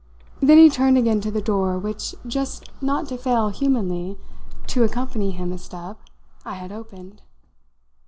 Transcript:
Then he turned again to the door, which, just not to fail humanly to accompany him a step, I had opened.